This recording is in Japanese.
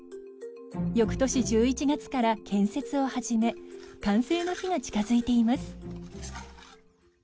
翌年１１月から建設を始め完成の日が近づいています。